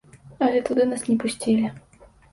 Але туды нас не пусцілі.